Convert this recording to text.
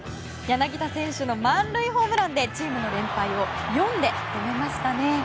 柳田選手の満塁ホームランでチームの連敗を４で止めましたね。